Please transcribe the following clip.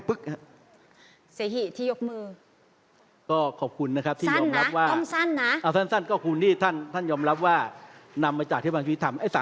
เศษฐ์ภิกษ์ทิยกมือ